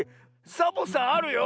サボさんあるよ！